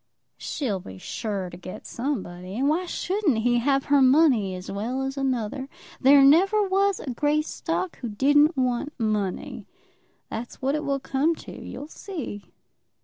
"She'll be sure to get somebody, and why shouldn't he have her money as well as another? There never was a Greystock who didn't want money. That's what it will come to; you'll see."